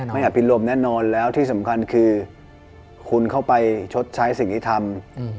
อภิรมแน่นอนแล้วที่สำคัญคือคุณเข้าไปชดใช้สิ่งที่ทำ